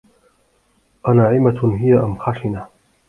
أَنَاعِمَةٌ هِي أَمْ خَشِنَةٌ ؟